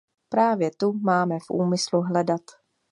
Právě tu máme v úmyslu hledat.